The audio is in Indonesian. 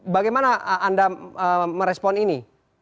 bagaimana anda merespon ini